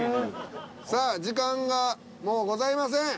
さあ時間がもうございません。